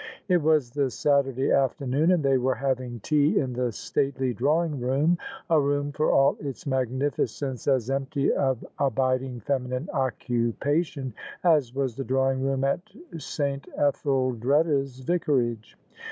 It was the Saturday afternoon, and they were having tea in the stately drawing room — a room, for all its magnificence as empty of abiding feminine occupation as was the drawing room at S. Etheldreda's Vicarage.